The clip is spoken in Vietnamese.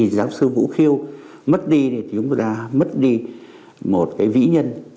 giáo sư vũ khiêu mất đi thì cũng ra mất đi một vĩ nhân